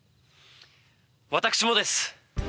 私もです。